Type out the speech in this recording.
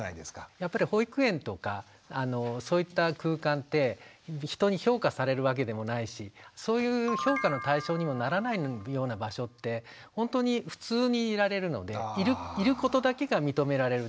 やっぱり保育園とかそういった空間って人に評価されるわけでもないしそういう評価の対象にもならないような場所ってほんとに普通にいられるのでいることだけが認められるっていうんですかね。